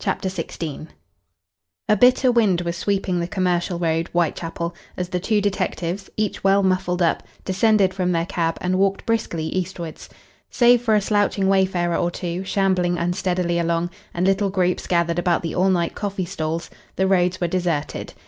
CHAPTER XVI A bitter wind was sweeping the Commercial Road, Whitechapel, as the two detectives, each well muffled up, descended from their cab and walked briskly eastwards. Save for a slouching wayfarer or two, shambling unsteadily along, and little groups gathered about the all night coffee stalls, the roads were deserted.